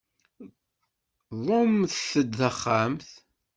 Ḍumm-d taxxamt.